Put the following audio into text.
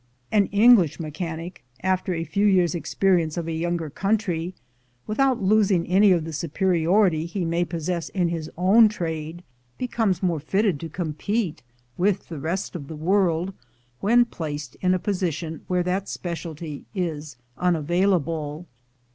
An English mechanic, after a few years' experience of a younger country, without losing any of the superiority he may possess in his own trade, becomes more fitted to compete with the rest of the world when placed in a position where that speciality is unavailable.